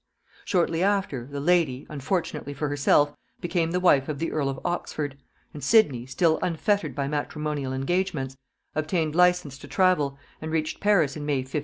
Shortly after, the lady, unfortunately for herself, became the wife of the earl of Oxford; and Sidney, still unfettered by matrimonial engagements, obtained license to travel, and reached Paris in May 1572.